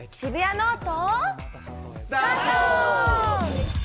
スタート！